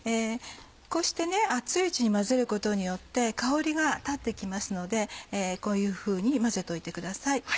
こうして熱いうちに混ぜることによって香りが立って来ますのでこういうふうに混ぜといてください。